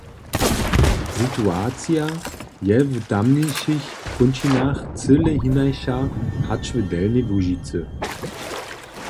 Situacija je w tamnišich kónčinach cyle hinaša hač w Delnjej Łužicy.